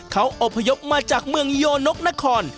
เขาอบพยพมาจากเมืองโยนกนคร